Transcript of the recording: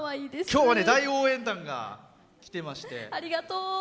今日は大応援団が来てまして。